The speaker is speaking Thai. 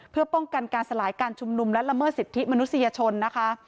เพื่อป้องกันการสลายการชุมนุมและละเมิดสิทธิมนุษยชนนะคะ